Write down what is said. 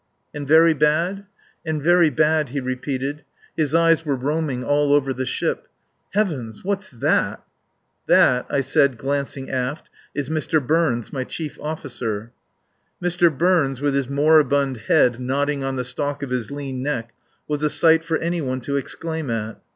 "And very bad?" "And very bad," he repeated. His eyes were roaming all over the ship. "Heavens! What's that?" "That," I said, glancing aft, "is Mr. Burns, my chief officer." Mr. Burns with his moribund head nodding on the stalk of his lean neck was a sight for any one to exclaim at.